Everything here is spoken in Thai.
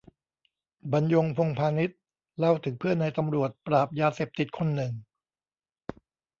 บรรยง พงษ์พานิช เล่าถึงเพื่อนนายตำรวจปราบยาเสพติดคนหนึ่ง